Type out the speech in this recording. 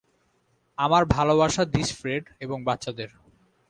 আমার ভালবাসা দিস ফ্রেড এবং বাচ্চাদের।